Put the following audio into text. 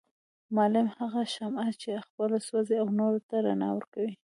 معلم هغه شمعه چي خپله سوزي او نورو ته رڼا ورکوي